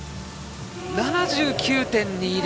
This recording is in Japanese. ７９．２０。